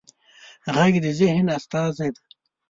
غږ د ذهن استازی دی